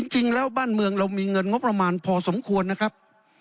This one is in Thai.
จริงแล้วบ้านเมืองเรามีเงินงบประมาณพอสมควรนะครับ